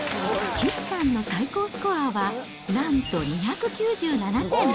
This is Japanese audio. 岸さんの最高スコアはなんと２９７点。